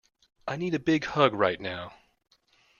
I need a big hug right now.